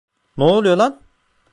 Ne oluyor lan?